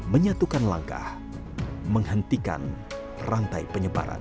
menyatukan langkah menghentikan rantai penyebaran